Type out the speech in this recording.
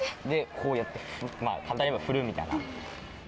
こうやって簡単に言えば振るみたいな。